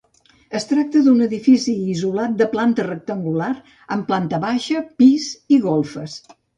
Es tracta d'un edifici isolat de planta rectangular amb planta baixa, pis i golfes.